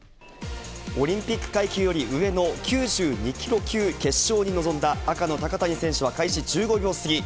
オリンピック階級より上の９２キロ級決勝に臨んだ赤の高谷選手は開始１５秒過ぎ。